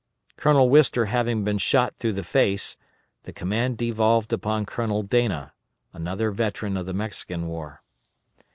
Colonel Wister having been shot through the face, the command devolved upon Colonel Dana, another veteran of the Mexican war.